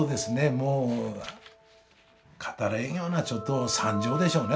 もう語れんようなちょっと惨状でしょうね